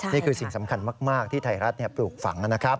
นี่คือสิ่งสำคัญมากที่ไทยรัฐปลูกฝังนะครับ